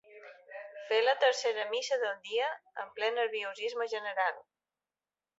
Fer la tercera missa del dia, en ple nerviosisme general.